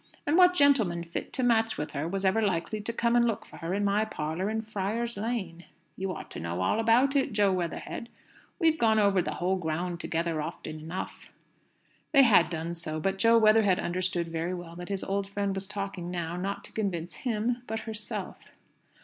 And what gentleman fit to match with her was ever likely to come and look for her in my parlour in Friar's Lane? You ought to know all about it, Jo Weatherhead. We've gone over the whole ground together often enough." They had done so. But Jo Weatherhead understood very well that his old friend was talking now, not to convince him, but herself.